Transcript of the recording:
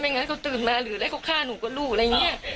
งั้นเขาตื่นมาหรืออะไรเขาฆ่าหนูกับลูกอะไรอย่างนี้